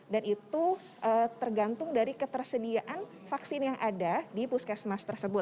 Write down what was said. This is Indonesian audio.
dan itu tergantung dari ketersediaan vaksin yang ada di puskesmas tersebut